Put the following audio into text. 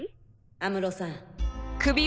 安室さん。